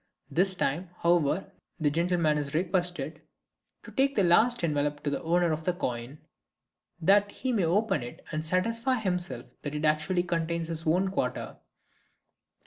This time, however, the gentleman is requested to take the last envelope to the owner of the coin, that he may open it and satisfy himself that it actually contains his own quarter.